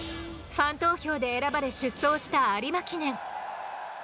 ファン投票で選ばれ出走した有馬記念。